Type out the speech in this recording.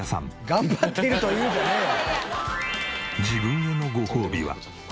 「頑張っているという」じゃねえわ。